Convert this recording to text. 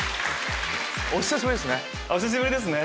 お久しぶりですね。